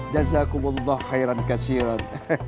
jazakumullah khairan kasirat